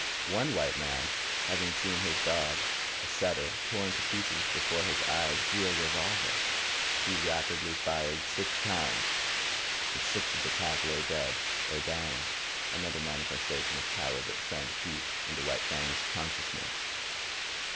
One white man, having seen his dog, a setter, torn to pieces before his eyes, drew a revolver. He fired rapidly, six times, and six of the pack lay dead or dying—another manifestation of power that sank deep into White Fang's consciousness.